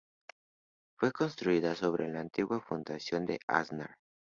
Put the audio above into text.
Fue construida sobre la antigua fundición de Aznar.